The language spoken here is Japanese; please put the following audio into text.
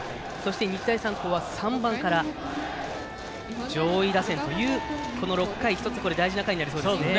日大三高は３番から上位打線という、この６回、１つ大事な回になりそうですね。